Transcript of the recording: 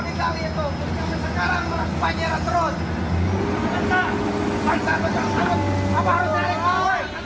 dari pagi mau dikali itu sekarang panjera terus